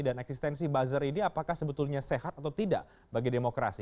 dan eksistensi bazar ini apakah sebetulnya sehat atau tidak bagi demokrasi